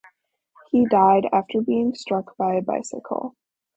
He died after being struck by a bicycle.